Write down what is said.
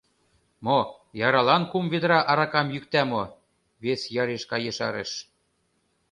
— Мо, яралан кум ведра аракам йӱкта мо? — вес яришка ешарыш.